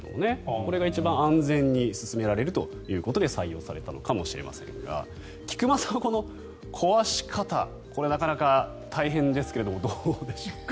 これが一番安全に進められるということで採用されたのかもしれませんが菊間さんは、壊し方なかなか大変ですがどうでしょうか。